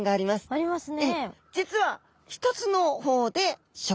ありますね。